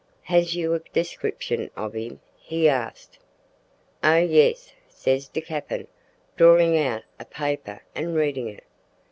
"`Has you a description of him?' he asked. "`Oh! yes,' ses de cappin, drawin' out a paper an' readin' it.